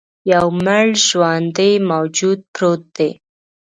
یو مړ ژواندی موجود پروت دی.